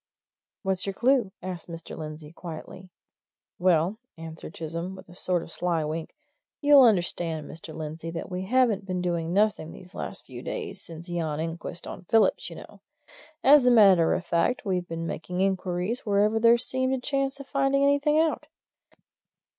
"What's your clue?" asked Mr. Lindsey quietly. "Well," answered Chisholm, with a sort of sly wink, "you'll understand, Mr. Lindsey, that we haven't been doing nothing these last few days, since yon inquest on Phillips, you know. As a matter of fact, we've been making inquiries wherever there seemed a chance of finding anything out.